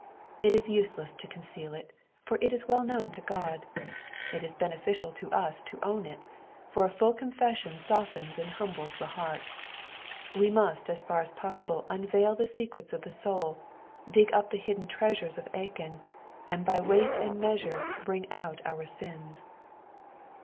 It is useless to conceal it, for it is well known to Ood ; it ia beneficial to us to own it, for a full confession softens and humbles the heart. We must as far as possible unveil the secrets of the soul, dig up the hidden treasure of Achan, and by weight and measure bring out our sins.